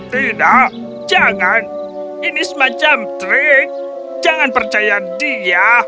tidak jangan ini semacam trik jangan percaya dia